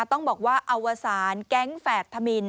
ต้องบอกว่าอวสารแก๊งแฝดธมิน